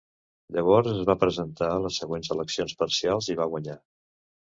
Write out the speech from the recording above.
Llavors es va presentar a les següents eleccions parcials i va guanyar.